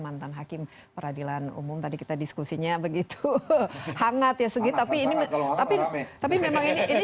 mantan hakim peradilan umum tadi kita diskusinya begitu hangat ya segi tapi ini tapi tapi memang ini